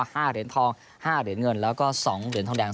เหรียญทองห้าเหรียญเงินแล้วก็สองเหรียญทองแดง